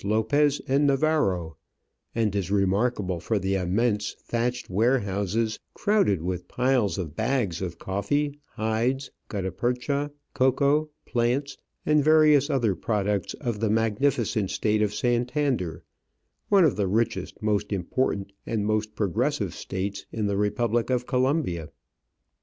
Lopez and Navarro, and is remarkable for the immense thatched ware houses, crowded with piles of bags of coffee, hides, gutta percha, cocoa, plants, and various other products of the magnificent State of Santander, one of the richest, most important, and most progressive States G Digitized by VjOOQIC 82 Travels and Adventures in the Republic of Colombia.